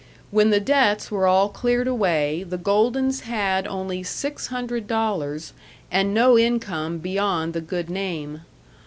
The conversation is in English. When the debts were all cleared away the Goldens had only six hundred dollars and no income beyond the good name.